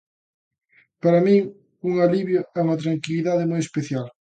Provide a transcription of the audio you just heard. Para min un alivio e unha tranquilidade moi especial.